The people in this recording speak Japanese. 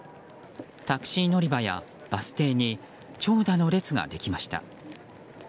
タクシー乗り場やバス停に長蛇の列ができました。